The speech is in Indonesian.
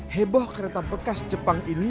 heboh kereta bekas jepang ini